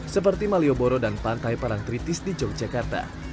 seperti malioboro dan pantai parang kritis di yogyakarta